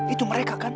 itu mereka kan